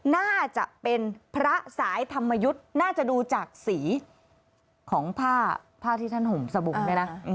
น่าจะเป็นพระสายธรรมยุทธ์น่าจะดูจากสีของผ้าผ้าที่ท่านห่มสบุงเนี่ยนะ